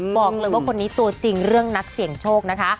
บอกเลยว่าคนนี้ตัวจริงเรื่องนักเสี่ยงโชคนะคะ